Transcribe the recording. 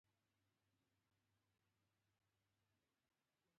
ټولټال شاوخوا پنځه سوه کیلومتره یې وهلې وه.